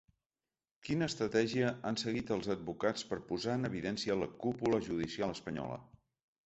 Quina estratègia han seguit els advocats per posar en evidència la cúpula judicial espanyola?